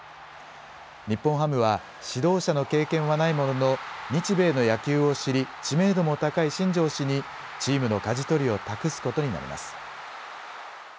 日本ハムは指導者の経験はないものの日米の野球を知り、知名度も高い新庄氏にチームのかじ取りを託すことになります。